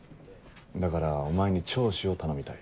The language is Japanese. だからお前に聴取を頼みたい。